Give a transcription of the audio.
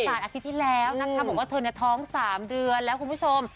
ปรักษาอาทิตย์ที่แล้วนะครับผมว่าเธอในท้อง๓เดือนแล้วคุณผู้ชม